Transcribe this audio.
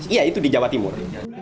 iya itu di jawa timur